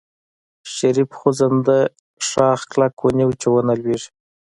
شريف خوځنده شاخ کلک ونيو چې ونه لوېږي.